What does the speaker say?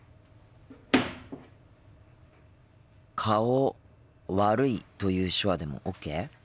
「顔悪い」という手話でもＯＫ？